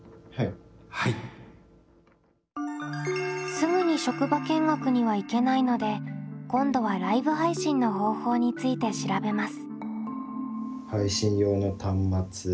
すぐに職場見学には行けないので今度はライブ配信の方法について調べます。